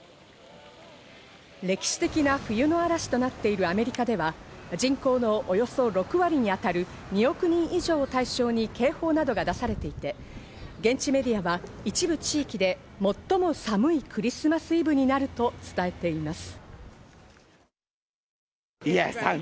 歴史的な冬の嵐となっているアメリカでは、人口のおよそ６割に当たる２億人以上を対象に警報などが出されていて、現地メディアは一部地域で最も寒いクリスマスイブになると伝えています。